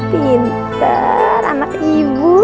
pinter anak ibu